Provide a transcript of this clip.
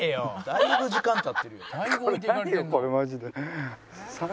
「だいぶ時間経ってるよ」